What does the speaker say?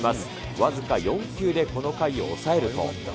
僅か４球でこの回を抑えると。